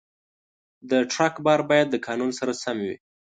د ټرک بار باید د قانون سره سم وي.